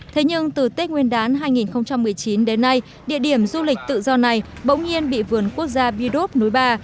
thế nhưng từ tết nguyên đán hai nghìn một mươi chín đến nay địa điểm du lịch tự do này bỗng nhiên bị vườn quốc gia bi đốp núi ba